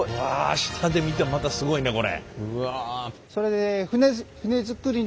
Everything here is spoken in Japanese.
下で見てもまたすごいねこれ。